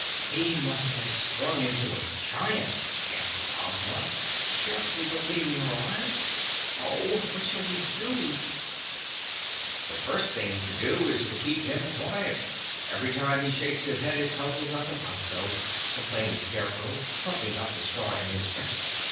"He must have sprung into a giant," gasped Ozma, scarcely believing her eyes. "Oh, what shall we do?" "The first thing to do is to keep him quiet. Every time he shakes his head it tumbles us about so," complained the Scarecrow, plumping up the straw in his chest.